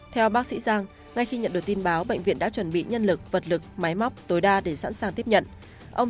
theo bác sĩ giang ngay khi nhận được tin báo bệnh viện đã chuẩn bị nhân lực vật lực máy móc tối đa để sẵn sàng tiếp nhận